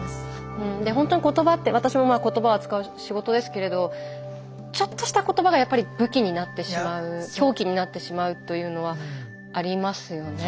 本当に言葉って私も言葉を扱う仕事ですけれどちょっとした言葉がやっぱり武器になってしまう凶器になってしまうというのはありますよね。